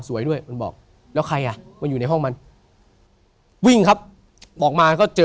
สวยด้วยมันบอกแล้วใครอ่ะมันอยู่ในห้องมันวิ่งครับออกมาก็เจอ